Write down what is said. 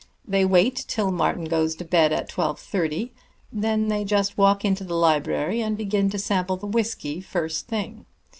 They wait till Martin goes to bed at twelve thirty; then they just walk into the library, and begin to sample the whisky first thing.